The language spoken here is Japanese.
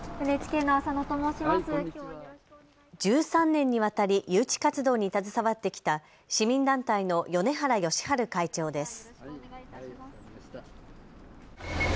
１３年にわたり誘致活動に携わってきた市民団体の米原義春会長です。